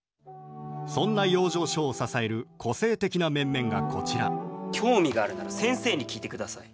そんな養生所を支える個性的な面々がこちら興味があるなら先生に聞いてください。